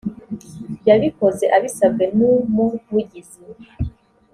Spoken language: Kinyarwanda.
yabikoze abisabwe n’ umuvugizi .